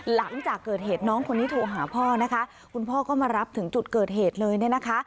หลังจากเกิดเหตุน้องคนนี้โทรหาพ่อนะคะคุณพ่อก็มารับถึงจุดเกิดเหตุเลยเนี่ยนะคะ